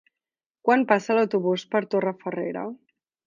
Quan passa l'autobús per Torrefarrera?